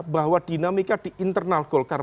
bahwa dinamika di internal golkar